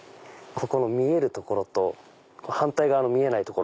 ここの見える所と反対側の見えない所。